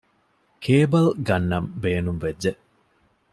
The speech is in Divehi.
ކޭބަލް ގަންނަން ބޭނުންވެއްޖެ